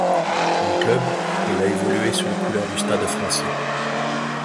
En club, il a évolué sous les couleurs du Stade français.